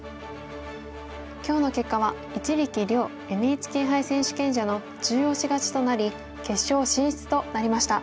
今日の結果は一力遼ＮＨＫ杯選手権者の中押し勝ちとなり決勝進出となりました。